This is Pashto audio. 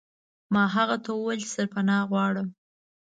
ما هغه ته وویل چې سرپناه غواړم.